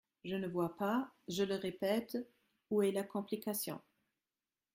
Je ne vois pas, je le répète, où est la complication.